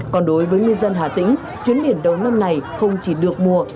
còn đối với ngư dân hà tĩnh chuyến biển đầu năm này không chỉ được mùa